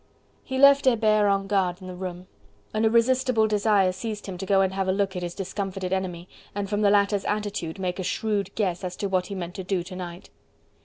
He left Hebert on guard in the room. An irresistible desire seized him to go and have a look at his discomfited enemy, and from the latter's attitude make a shrewd guess as to what he meant to do to night.